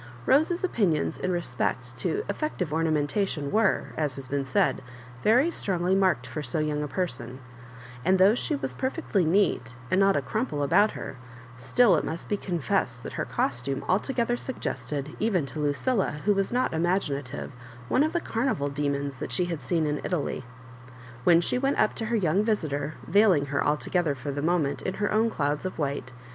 Rose's opinions in respect to effective orna mentation were, as hai been said, very strongly marked for so young a person ; and though she was perfect^ neat, and not a crumple about her,, still it must be confessed that her costume altogether suggested, even to Lucilla, who was not imaginative, one of the carnival demons that she had seen in Italy. When she went up to her young visitor, veiling her altogether, for the moment, in her own clouds of white.